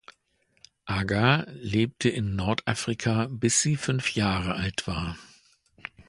Agar lebte in Nordafrika bis sie fünf Jahre alt war.